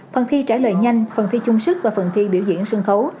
phần thi trả lời nhanh phần thi chung sức và phần thi biểu diễn sân khấu